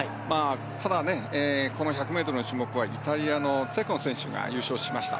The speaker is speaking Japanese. ただ、この１００ｍの種目はイタリアのチェッコン選手が優勝しました。